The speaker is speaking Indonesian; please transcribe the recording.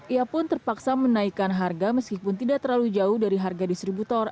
ia pun terpaksa menaikkan harga meskipun tidak terlalu jauh dari harga distributor